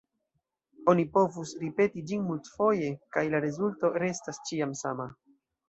Oni povus ripeti ĝin multfoje, kaj la rezulto restas ĉiam sama.